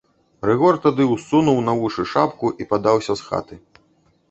Рыгор тады ўссунуў на вушы шапку і падаўся з хаты.